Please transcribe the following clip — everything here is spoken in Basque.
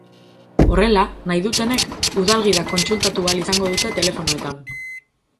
Horrela, nahi dutenek udal gida kontsultatu ahal izango dute telefonoetan.